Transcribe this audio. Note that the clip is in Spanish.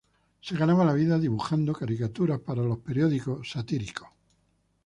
Se ganaba la vida dibujando caricaturas para los periódicos satíricos.